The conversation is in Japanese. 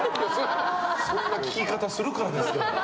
そんな聞き方するからですよ。